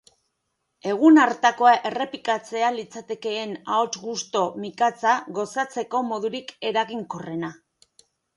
Egun hartakoa errepikatzea litzatekeen aho gusto mikatza gozatzeko modurik eraginkorrena.